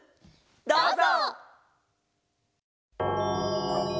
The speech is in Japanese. どうぞ！